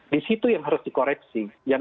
di situ yang harus dikoreksi yang